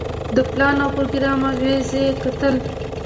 د پلان او پروګرام اغیزې کتل.